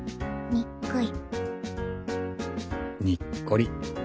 にっこり。